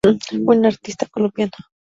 Fue un artista colombiano.